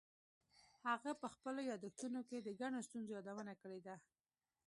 هغه په خپلو یادښتونو کې د ګڼو ستونزو یادونه کړې ده.